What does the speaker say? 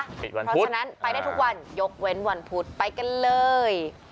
เพราะฉะนั้นไปได้ทุกวันยกเว้นวันพุธไปกันเลย